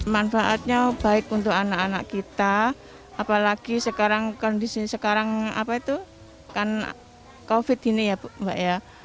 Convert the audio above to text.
manfaatnya baik untuk anak anak kita apalagi sekarang kondisi covid ini ya mbak ya